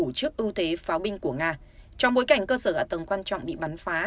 trước ưu thế pháo binh của nga trong bối cảnh cơ sở ả tầng quan trọng bị bắn phá